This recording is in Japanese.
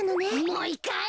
もう１かい！